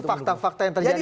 fakta fakta yang terjadi